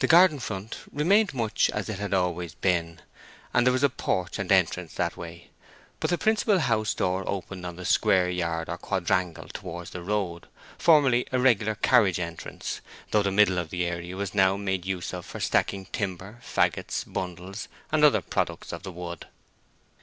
The garden front remained much as it had always been, and there was a porch and entrance that way. But the principal house door opened on the square yard or quadrangle towards the road, formerly a regular carriage entrance, though the middle of the area was now made use of for stacking timber, fagots, bundles, and other products of the wood.